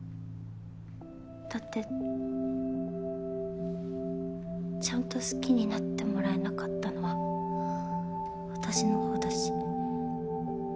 だってちゃんと好きになってもらえなかったのは私のほうだし。